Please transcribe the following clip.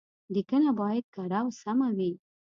ليکنه بايد کره او سمه وي.